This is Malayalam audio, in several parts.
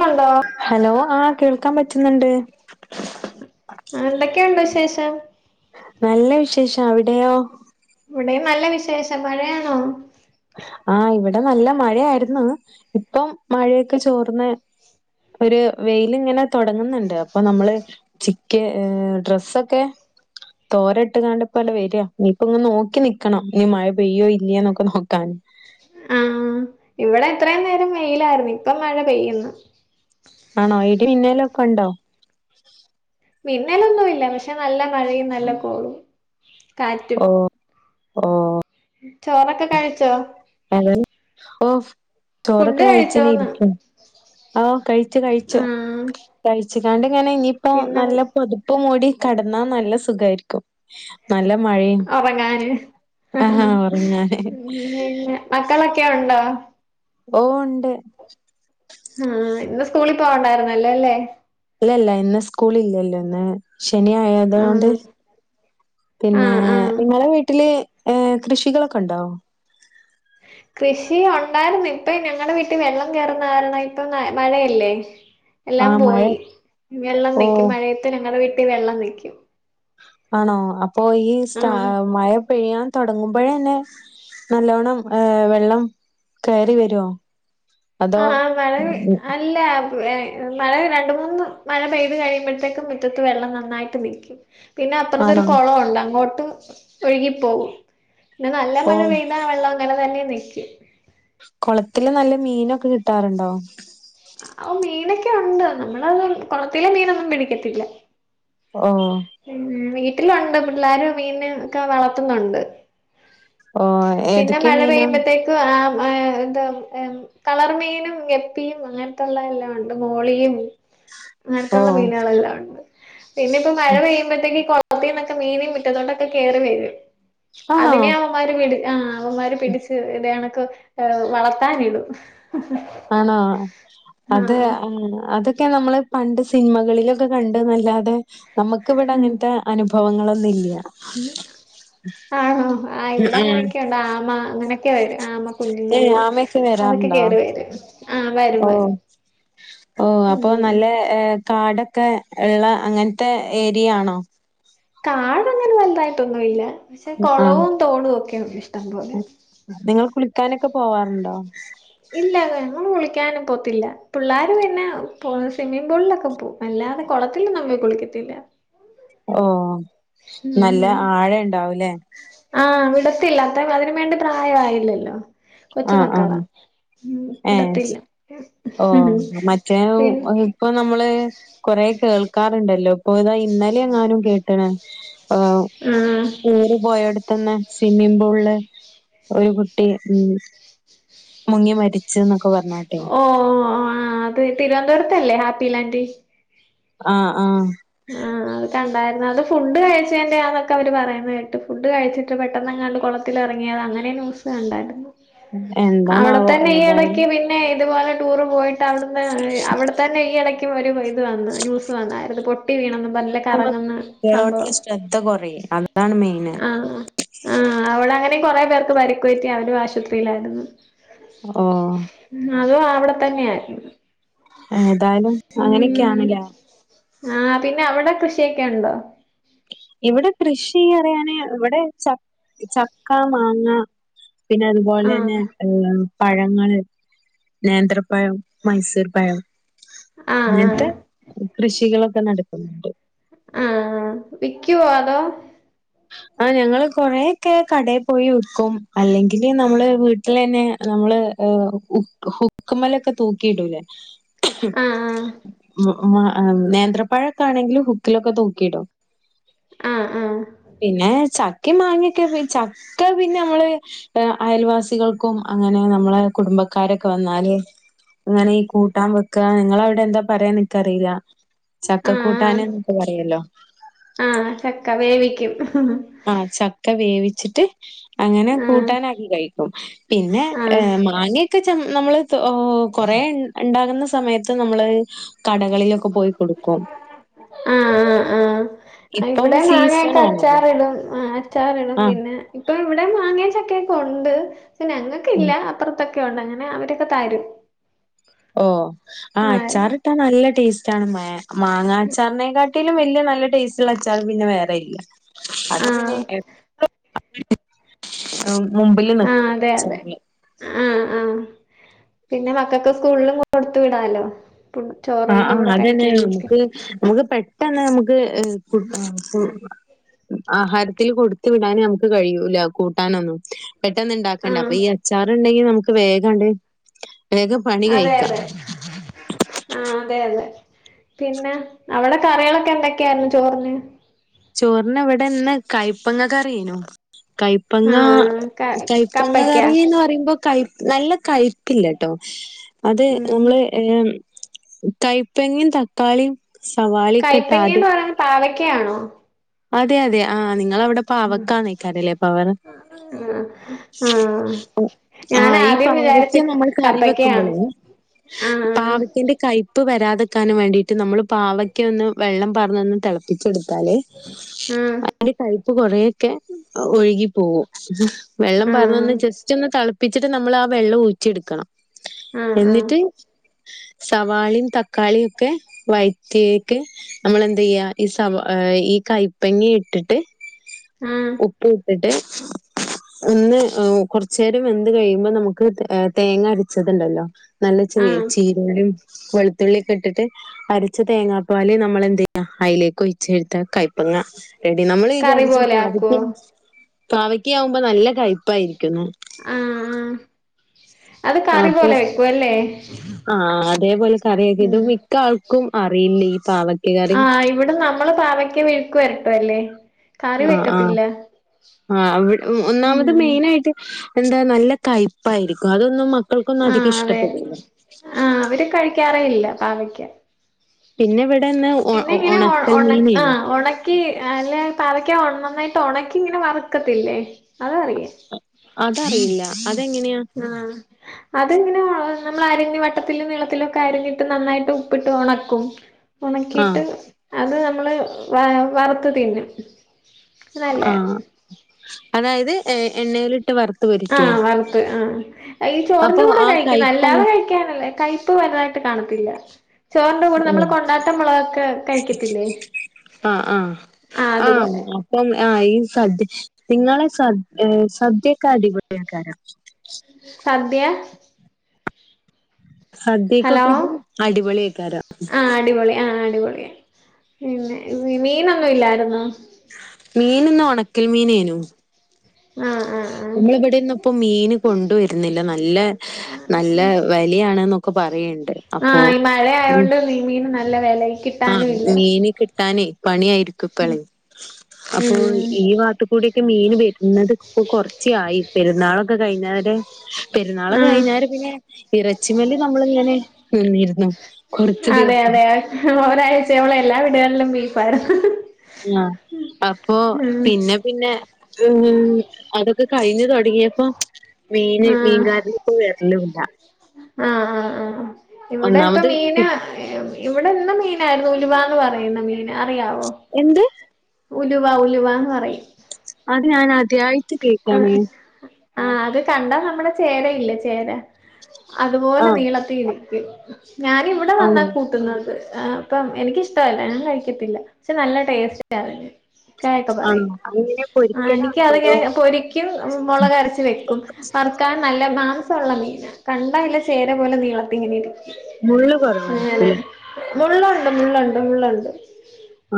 ന്നുണ്ടോ ഹലോ ആഹ് കേൾക്കാൻ പറ്റ്ന്ന്ണ്ട് ആഹ് എന്തെക്കെയുണ്ട് വിശേഷം നല്ല വിശേഷാ അവിടെയോ ഇവിടെയും നല്ല വിശേഷം മഴയാണോ ആഹ് ഇവിടെ നല്ല മഴയായിരുന്നു ഇപ്പം മഴയൊക്കെ ചോർന്ന് ഒര് വെയിലിങ്ങെനെ താെടങ്ങ്ന്ന്ണ്ട് അപ്പൊ നമ്മള് ചിക്ക്യെ ഏഹ് ഡ്രസ്സൊക്കെ തോരട്ട്ങ്ങാണ്ട് ഇപ്പണ്ട് വെരാ നീപ്പം ഇങ്ങ് നോക്കി നിക്കണം ഈ മഴ പെയ്യോ ഇല്ല്യാേ ന്നൊക്കെ നോ ക്കാൻ ആഹ് ഇവിടെ എത്രേം നേരം വെയിലായിര്ന്നു ഇപ്പം മഴ പെയ്യ്ന്ന് ആണോ ഇടി മിന്നലൊക്കെണ്ടോ മിന്നലൊന്നുല്ല പക്ഷേ നല്ല മഴയും നല്ല കോളും കാറ്റും ഓ ഓ ചോറൊക്കെ കഴിച്ചോ അങ്ങനെ ഓഹ് ചോറൊക്കെ ഫുഡ് കഴിച്ചണ കഴിച്ചോന്ന് ഇരിക്കും ഓഹ് കഴിച്ചു കഴിച്ചു ആഹ് കഴിച്ചുക്കാണ്ട്ങ്ങനെ ഇനിയിപ്പോ പിന്നെ നല്ല പൊത പ്പു മൂടി കടന്നാ നല്ല സുഖായിരിക്കും നല്ല മഴയും ഉറങ്ങാന് ആഹാ ഉം ഒറങ്ങാന് പിന്നെ മക്കളൊക്കെ ഉണ്ടോ ഓഹ് ണ്ട് ആഹ് ഇന്ന് സ്കൂളിൽ പോവണ്ടായിരുന്നല്ലോ അല്ലേ ഇല്ലല്ല ഇന്ന് സ്കൂള ഇല്ലല്ലോ ഇന്ന് ശനിയായതുകൊണ്ട് ആഹ് പിന്നെ ആഹ് ആഹ് നിങ്ങളെ വീട്ടില് ഏഹ് കൃഷികളൊക്കെ ഉണ്ടോ കൃഷി ഉണ്ടായിരുന്നു ഇപ്പ ഞങ്ങളടെ വീട്ടിൽ വെള്ളം കയറന്ന കാരണം ഇപ്പ മഴയല്ലേ ഉ എല്ലാം പോയി വെള്ളം നിക്കും മഴയത്ത് ഞങ്ങളെ വീട്ടി വെള്ളം നിക്കും ആണോ അപ്പൊ ഈ സ്റ്റ ആഹ് മഴ പെയ്യാൻ തുടങ്ങുമ്പോഴന്നെ നല്ലോണം ഏ വെള്ളം കയറി വരോ അതോ ആഹ് മഴ വെ അല്ലാ മഴ രണ്ട് മൂന്ന് മഴ പെയ്ത് കഴിയുമ്പോഴത്തേക്കും മുറ്റത്ത് വെള്ളം നന്നായിട്ട് നിൽക്കും പിന്നെ അപ്പറത്തൊരു ആണോ കൊളോണ്ട് അങ്ങോട്ട് ഒഴുകിപ്പോകും പിന്നെ നല്ല ഓ മഴ ലാ വെള്ളം അങ്ങനെ തന്നെ നിക്കും കൊളത്തില് നല്ല മീനൊക്കെ കിട്ടാറുണ്ടോ ആഹ് ഓ മീനൊക്കെ ഉണ്ട് നമ്മളത് കൊളത്തിലെ മീനൊന്നും പിടിക്കത്തില്ല ഓഹ് ഉം വീട്ടിലുണ്ട് പിള്ളേരു മീനൊക്കെ വളർത്തുന്നുണ്ട് ഓ പിന്നെ ഏതൊക്കെ മഴ മീനാ? പെയ്യുമ്പോത്തേക്ക് ആ എന്താ ഉം കളർമീനും ഗപ്പിയും അങ്ങൻത്തുള്ള എല്ലാം ഉണ്ട് മോളിയും ഓ അങ്ങൻത്തുള്ള മീനുകളെല്ലാം ഉണ്ട് പിന്നെ ഇപ്പ മഴ പെയ്യുമ്പോഴത്തേക്ക് കൊള ത്തിന്നൊക്കെ മീന് മിറ്റത്തോട്ടൊക്കെ കേറി വരും ആണോ അതിനെ അവമാര് പിടി ആഹ് അവന്മാര് പിടിച്ച് ഇതണക്ക് വളർത്താനിടും ആണോ അത് ആഹ് അതൊക്കെ നമ്മള് പണ്ട് സിനിമകളിലൊക്കെ കണ്ട് നല്ലാതെ നമുക്ക് ഇവിടെ അങ്ങനത്തെ അനുഭവങ്ങളൊന്നും ഇല്ല ആണോ ആഹ് ഇവിടെ അങ്ങനെയൊക്കെയുണ്ട് ആമ അങ്ങനെയൊക്കെ വരും ആമ കുഞ്ഞുങ്ങള് ഏഹ് ആമയൊക്കെ അതൊക്കെ വരാറുണ്ടോ? കേറി വരും ആഹ് വരും ഓ വരും ഓ അപ്പൊ ഉം നല്ല ഏ കാടൊക്കെള്ള അങ്ങൻത്തെ ഏരിയയാണോ കാടൊന്നങ്ങനെ നല്ലതായിട്ടൊന്നു ഇല്ല പക്ഷേ ആഹ് കൊളവും തോടും ഒക്കെയുണ്ട് ഇഷ്ടംപോലെ നിങ്ങൾ കുളിക്കാനൊക്കെ പോവാറുണ്ടോ ഇല്ല ഞങ്ങള് കുളിക്കാനും പോത്തില്ല പിള്ളേര് പിന്നെ പോ സ്വിമ്മിംഗ് പൂളിലൊക്കെ പോവും വല്ലാതെ കൊളത്തിലൊന്നും കുളിക്കത്തില്ല ഓഹ് ഉം ആഹ് വിടത്തില്ല അത്ര അതിന് വേണ്ടി പ്രായമായില്ലല്ലോ കൊച്ച് ആഹ് മക്കളാ ആഹ് ഉം ഏഹ് വിടത്തില്ല ഓഹ് മറ്റേ പി ഇപ്പൊ നമ്മള് കൊറേ കേൾക്കാറുണ്ടല്ലോ ഇപ്പൊ ഇതാ ഇന്നലെ എങ്ങാനും കേട്ട്ണ് ഓഹ് ആഹ് കൂര് പോയടു ത്ത്ന്ന് സ്വിമ്മിംഗ് പൂളില് ഒരു കുട്ടി മുങ്ങി മരി ച്ച്ന്നൊക്കെപർഞ്ഞ് ഓ ആത് തിരുവനന്തപുരത്തല്ലേ ഹാപ്പിലാന്റ് ആഹ് ആഹ് ആ അത് കണ്ടായിരുന്നു അത് ഫുഡ് കഴിച്ചന്റെ ആന്നൊക്കെ അവര് പറയുന്ന കേട്ട് ഫുഡ് കഴിച്ച് ഇത്ര പെട്ടെന്നങ്ങാണ്ട് കുളത്തിൽ ഇറങ്ങിയത അങ്ങനെ ന്യൂസി ഉണ്ടാരുന്നു അവിടെ എന്താണാവോ തന്നെ ഈ ഇടക്ക് ഏതായാലും പി പിന്നെ ഇതുപോലെ ടൂറ് പോയിട്ട് അവിടുന്ന് അവിടെത്തന്നെ ഈ ഇടക്കും വരു ഇത് വന്ന് ന്യൂസ് വന്നായിരുന്നു പൊട്ടി വിണന്നും പറഞ്ഞില്ലെ നമ്മ കറങ്ങുന്ന കുട്ട്യാളോട്ള്ള സംഭവം ശ്രദ്ധ കൊറയും അതാണ് മെയിന് ആഹ് ആഹ് ആ അവടെ അങ്ങനെ കൊറെേ പേർക്ക് പരിക്ക് പറ്റി അവരും ആശുപത്രിയിലാരുന്നു ഓഹ് അതും അവിടെ തന്നെ ആരുന്നു ഏതായാലും അങ്ങനെക്കെയാണല്ല ആ പിന്നെ അവിടെ കൃഷിയൊക്കെ ഉണ്ടോ ഇവിടെ കൃഷി പറിയാന് ഇവിടെ ച ചക്ക മാങ്ങ പിന്നെ അത്പോലാനേ ആഹ് ഏഹ് പഴങ്ങള് നേന്ത്രപ്പഴം മൈസൂർ പഴം ആഹ് അങ്ങനത്തെ ആഹ് കൃഷികളൊക്കെ നടക്കുന്നുണ്ട് ആ വിക്കുവോ അതോ ആ ഞങ്ങള് കൊറയൊക്കെ കടയി പോയി വിക്കും അല്ലെങ്കില് നമ്മള് വീട്ടിലാന്നെ നമ്മള് ഓ ഹു ഹുക്ക്മലൊക്കെ തൂക്കിട്ടൂലേ ആഹ് ഉം ഉം ആം നേന്ത്രപ്പഴൊക്കെ ആണെങ്കിലും ഹുക്കിലൊക്കെ തുക്കിടും ആഹ് ആഹ് പിന്നെ ചക്കെ മാങ്ങക്കെ ചക്ക പിന്നെ നമ്മള് ള് അയൽവാസികൾക്കും അങ്ങനെ നമ്മളെ കുടുംബക്കാരൊക്കെ വന്നാല് അങ്ങനെ ഈ കൂട്ടാൻ വെക്കാ നിങ്ങടെ അവിടെ എന്താ പറയാ എനിക്കറിയില്ല ചക്കക്കൂട്ടാന് എന്നൊക്കെ പറയല്ലോ ആ ചക്ക വേവിക്കും ആ ചക്ക വേവിച്ചിട്ട് അങ്ങനെ ആഹ് കൂട്ടാനാക്കി കഴിക്കും പിന്നെ ഏ ആഹ് മാങ്ങൊക്കെ ചേമ് നമ്മള് ഓ കൊറേ ഒണ്ടാകുന്ന സമയത്ത് നമ്മള് കടകളിലൊക്കെ പോയി കൊടുക്കും ആഹ് ആഹ് ആഹ് ഇപ്പം ഇവിടെ മാങ്ങൊക്കെ സീസണാണല്ലോ. അച്ചാറിടും ആ ച്ചാറിടും ആഹ് പിന്നെ ഇപ്പൊ ഇവിടെ മാങ്ങെ, ചക്കെക്കെ ഉണ്ട് പിന്നെ ഞങ്ങക്ക് ഉം ഇല്ല അപ്പറത്ത ക്കെഒണ്ട് അങ്ങനെ അവരൊക്കെ തരും ഓഹ് ആ ആഹ് അച്ചാറിട്ടാ നല്ല ടേസ്റ്റേണ് ആണ് മ മാങ്ങാ അച്ചാറിനെക്കാട്ടിലും വല്യ നല്ല ടേസ്റ്റുള്ള അച്ചാർ പിന്നെ വേറെ ഇല്ല. അത് പിന്നെ ആഹ് എപ്ളും അങ്ങനെ തന്നെ ഉം മുമ്പില് ആഹ് നിക്കും അതെ അതെ [unintelligible] ആഹ് ആഹ് പിന്നെ മക്കക്ക് സ്കൂളിലും കൊടുത്തു വിടാലോ? ആഹ് ചോറിന്റെ ആഹ് കൂടെ അതന്നെ കഴിക്കാനൊക്കെ നമുക്ക് നമുക്ക് പെട്ടെന്ന് നമുക്ക് കൊടുക കൊടു ആഹാരത്തിൽ കൊടുത്തു വിടാന് നമുക്ക് കഴിയൂല കൂട്ടാനൊന്നും. പെട്ടെന്ന് ഇണ്ടാക്കണ്ടെ ആഹ് അപ്പൊ ഈ അച്ചാർ ഉണ്ടെങ്കി നമുക്ക് വേഗണ്ട്. വേഗം പണി അതെ കഴിക്കാം അതെ. ആഹ് അതെ അതെ പിന്നെ അവിടെ കറികളൊക്കെ എന്തൊക്കെയാരുന്നു ചോറിന്? ചോറിനു ഇവിടെന്ന് കായ്പങ്ങ കറിയെനൂ. കയപ്പങ്ങ ആ ക കയപ്പങ്ങ കപ്പക്ക കറീന്ന് പറയുമ്പോ കൈ നല്ല കയിപ്പില്ലട്ടോ അത് ഉം നമ്മള് ഏമ് കൈപ്പങ്ങെ തക്കാളീം കൈപ്പങ്ങിന്ന് പറയുന്ന പാവക്കആണോ? അതെ അതെ ആ നിങ്ങളവിടെ പാവക്കാ നേക്കാണല്ലേ പറണ്. ആഹ് ആഹ് ആഹ് ആഹ് ആ ഈ പാവക്ക നമ്മൾ കറി കപ്പക്കയാണ് വെക്കുമ്പള് ആ പാവ ഇന്റെ കൈപ്പ് വരാതെക്കാന് വേണ്ടിട്ട് നമ്മള് പാവക്ക ഒന്ന് വെള്ളം പാർന്നൊന്നു ഒന്ന് തിളപ്പിച്ചെടുത്താതി ആ അതിന്റെ കൈപ്പ് കൊറേ ഒക്കെ ഒഴുകി പോകും വെള്ളം ആ പാർന്നൊന്നു ജസ്റ്റ് ഒന്ന് തെളപ്പിച്ചിട്ട് നമ്മൾ ആ വെള്ളം ഊറ്റി എടുക്കണം ആ എന്നിട്ട് ആ സവാളേംതക്കാളിയൊക്കെ വഴറ്റിയേക്ക് നമ്മളെന്ത ചെയ്യാ ഈ സവ ഈ കൈപ്പങ്ങ ഇട്ടിട്ട് ആ ഉപ്പുവിട്ടിട്ട് ഒന്ന് കൊറച്ചേരം വെന്ത് കഴിയുമ്പ നമുക്ക് തേങ്ങ അരിച്ചതുണ്ടല്ലോ നല്ല ആ [unintelligible] വെളുത്തുള്ളി ക്കെ ഇട്ടിട്ട് അരച്ച തേങ്ങാപ്പാല് നമ്മളെന്താ ചെയ്യാ അയ്ലേക്ക് ഒഴിച്ചെടുത്ത കയ്പങ്ങ എടി നമ്മള് കറി വിചാരിച്ചു പോലെ ആക്കുവോ പാവയ്ക്ക പാവയ്ക്ക ആവുമ്പോ നല്ല കയ്പ്പായിരിക്കു ആഹ് ആഹ് അപ്പൊ വെക്കുവല്ലേ ആഹ് അതേപോലെ കറിയൊക്കത് ഉം മിക്ക ആൾക്കും അറിയില്ല ഈ പാവക്ക ആഹ് ഇവിടെ നമ്മള് പാവക്ക മെഴുക്ക് വരട്ടുവല്ലേ കറി ആഹ് വെക്കത്തില്ല ആഹ് ആ ഒന്നാമത് ഉം മെയിനായിട്ട് എന്താ നല്ല കയ്പ്പായിരിക്കും അതൊന്നും മക്ക ആഹ് അതെ ആഹ് അവര് കഴിക്കാറേയില്ല പാവയ്ക്ക പിന്നെ ഇവിടെഇന്ന് ഉണക്കൽ മീനേരുന്നു ക്ക് അല്ല പാവയ്ക്ക നന്നായിട്ട് ഉണക്കി ഇങ്ങനെ വറുക്കത്തില്ലേ അത് അറിയാം അതറിയില്ല അതെങ്ങനെയാ ആഹ് അതിങ്ങനെ നമ്മളരിഞ്ഞു വട്ടത്തിലും നീളത്തിലൊക്കെ അരിഞ്ഞിട്ട് നന്നായിട്ട് ഉപ്പിട്ട് ഒണക്കും ആഹ് ഉണക്കിട്ട് അത് നമ്മള് വ വറുത്ത തിന്നും നല്ലയാ ആഹ് അതായത് എണ്ണയിലിട്ട് വറു ആഹ് വറുത്ത് ആ ഈ ചോറിന്റെ അപ്പൊ കൂടെ ആ കഴിക്കുന്ന അല്ലാതെ കയ്പ്പങ് [unintelligible] [unintelligible] കൈപ്പ് വലുതായിട്ട് കാണത്തില്ല ചോറിന്റെ കൂടെ നമ്മൾ കൊണ്ടാട്ടം മുളകൊക്കെ കഴിക്കത്തില്ലേ ആഹ് ആഹ് ആഹ് ആഹ് ഇപ്പം ആ ഈ സദ്യ നിങ്ങളെ സദ്യ സദ്യക്കെ അടിപൊളി [unintelligible] സദ്യ ഹലോ സദ്യക്കൊക്കെ ഇത് അടിപൊളിയാക്കാര ആഹ് അടിപൊളി ആഹ് അടിപൊളി പിന്നെ മീനൊന്നും ഇല്ലാരുന്നോ മീൻന്ന് ഉണക്കൽ മീനേനു ആഹ് ആഹ് ആഹ് നമ്മളിവിടെന്നിപ്പോ മീന് കൊണ്ടുവരുന്നില്ല നല്ല നല്ല വ ലിയാണ്ന്നൊക്കെ പറയണ്ട് ആഹ് ഈ മഴ ആയോണ്ട് നീ മീന് ന- ആഹ് മീന് കിട്ടാനേ പണിയായിരിക്കും പ്പളെ അപ്പൊ ഉം ഈ നാട്ട് ഇവിടെയൊക്കെ മീൻ വരുന്നത് ഇപ്പോ കുറച്ച ആയി പെരുന്നാളൊക്കെ കഴിഞ്ഞാരെ പെരുന്നാള് ആഹ് കഴിഞ്ഞാല് പിന്നെ ഇറച്ചിമ്മൽ നമ്മളിങ്ങനെ നിന്നിരുന്നു കൊറച്ച് അതെ ദിവസം. അതെ ഒരാഴ്ചയോളം എല്ലാ വീടുകളിലും ബീഫാരുന്നു ആഹ് അപ്പൊ പിന്നെ പിന്നെ ഉം അതൊക്കെ കഴിഞ്ഞു തൊടങ്ങിയപ്പോ മീന് ആഹ് മീൻകാരൻ പ്പോ വരലും ഇല്ല ആഹ് ആഹ് ആഹ് ഇവിടെ ഇപ്പ ഒന്നാമത് മീന കി ഇവിടെ ഇന്നും മീനായിരുന്നു ഉലുവാന്ന് പറയുന്ന മീൻ അറിയാവോ എന്ത് ഉലുവ ഉലുവാന്ന് പറയും അത് ഞാൻ ആദ്യായിട്ട് ആഹ് കേക്കാണ് ആഹ് അത് കണ്ടാ നമ്മടെ ചേരയില്ലേ ചേര അതുപോലെ ആഹ് നീളത്തി ഇരിക്കും, ഞാന് ഇവിടെ വന്നാ ആണോ കൂട്ടുന്നത് ആഹ, പ്പം എനിക്കിഷ്ടല്ല ഞാൻ കഴിക്കത്തില്ല പക്ഷെ നല്ല ടേസ്റ്റാന്നറീന്നെ, ഇക്കക്കെ ആണോ പറയും അതെങ്ങനെ ആഹ എനിക്ക് പൊരിക്കലാണോ അതോ അത്ഇങ്ങനെ പൊരിക്കും മുളകരച്ച് വെക്കും, വർക്കാൻ നല്ല മാംസള്ള മീന കണ്ടാ ല്ല ചേര പോലെ നീളത്തി ഇങ്ങനിരിക്കും, മുള്ള് എങ്ങനെ കുറവായിരിക്കുംല്ലേ മുള്ളുണ്ട്, മുള്ളുണ്ട്, മുള്ളുണ്ട്.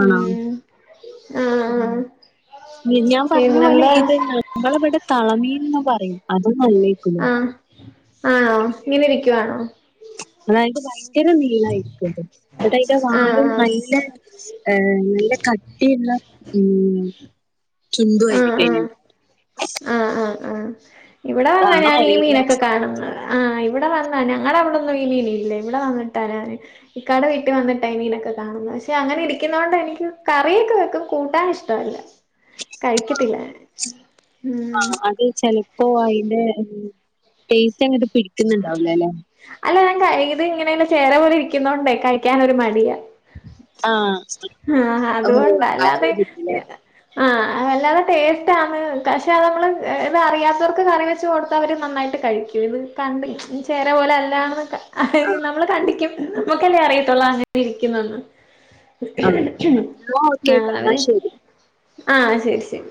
ആണോ, ഉം ആഹ് ആഹ് ഉം ഞാൻ പറഞ്ഞ പോലെ പിന്നെന്താ ഇത്ങ്ങെ നമ്മളിവിടെ തളമീന്ന് പറയും അതൊന്നല്ലേക്കു, ആഹ് ആണോ, ഇങ്ങനെ ഇരിക്കുവാണോ? അതായത് ഭയങ്കര നീളമായിരിക്കുംത് ന്നിട്ട് അയ്ന്റെ വാലും ആഹ് നല്ല ഹ് നല്ല കട്ടിള്ളെ മ്മ് ചുണ്ടു ആഹ് ആയിരിക്കു അയ്ന്, ആഹ് ആഹ് ആഹ് ആഹ് ഇവിടെ വന്നാ ഞാൻ ഈ അറിയില്ല മീനൊക്കെ കാണുന്നത്, ആഹ്, ഇവിടെ വന്ന ഞങ്ങളെ അവിടൊന്നും ഈ മിനില്ല ഇവിടെ വന്നിട്ടാനാന്, ഇക്കാടെ വീട്ടിൽ വന്നിട്ടായിമീനൊക്കെ കാണുന്നെ പക്ഷെ അങ്ങനെ ഇരിക്കുന്നത് കൊണ്ട് എനിക്ക് കറിയൊക്കെ വെക്കും കൂട്ടാൻ ഇഷ്ട ട്ടവല്ല ആഹ ഉം അത്ച്ചാല്, പ്പൊ അതിന്റെ ടേസ്റ്റ് അങ്‌ട്ട് പിടിക്കുന്നുണ്ടാവൂലലേ, അല്ല ഞാൻ ക ഇത് ഇങ്ങനെ ചേര പോലെ ഇരിക്കുന്നോണ്ടേ കഴിക്കനൊരു മടിയാ, ആഹ്, ആഹ് ഓഹ് അതുകൊണ്ടാ അയ്ജിച്ച് ലേ, അല്ലാതെ ടേസ്റ്റാണ് പക്ഷെത് നമ്മള് ഇത് അറിയാത്തവർക്ക് കറി വെച്ച് കൊടുത്ത അവര് നന്നായിട്ട് കഴിക്കും ഇത്. കണ്ട് ചേര പോലെ അല്ലാന്നൊക്കെ, അതെ ആ നമ്മള് കണ്ടിക്കും നമ്മുക്കല്ലേ അറിയത്തുള്ളൂ എങ്ങനെ ഇരിക്കുന്നുന്ന്, ആ എന്നാ ഓക്കെ ആഹ് ട്ടോ എന്നാ അവര് ശരി ആഹ്, ശെരി ശെരി.